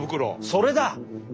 それだ。